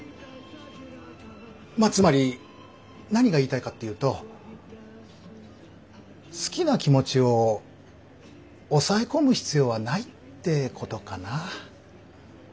まあつまり何が言いたいかっていうと好きな気持ちを抑え込む必要はないってことかな。